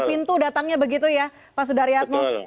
pintu datangnya begitu ya pak sudaryatmo